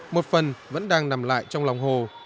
một phần vẫn đang nằm lại trong lòng hồ